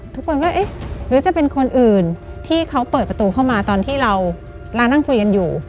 ทุกคนก็เอ๊ะหรือจะเป็นคนอื่นที่เขาเปิดประตูเข้ามาตอนที่เรานั่งคุยกันอยู่